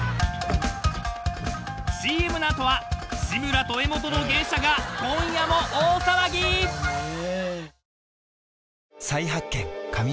［ＣＭの後は志村と柄本の芸者が今夜も大騒ぎ］へ